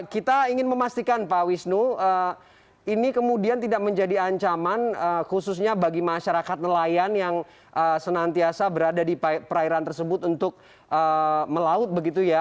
kita ingin memastikan pak wisnu ini kemudian tidak menjadi ancaman khususnya bagi masyarakat nelayan yang senantiasa berada di perairan tersebut untuk melaut begitu ya